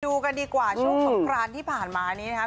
ดูกันดีกว่าโชคสงครรณที่ผ่านมานี้นะคะ